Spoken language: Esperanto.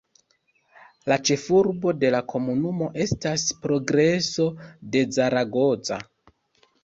La ĉefurbo de la komunumo estas Progreso de Zaragoza.